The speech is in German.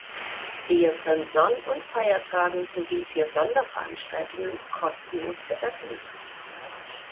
Sie ist an Sonn- und Feiertagen sowie für Sonderveranstaltungen kostenlos geöffnet.